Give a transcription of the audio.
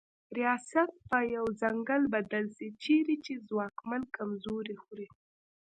ریاست په یو ځنګل بدل سي چیري چي ځواکمن کمزوري خوري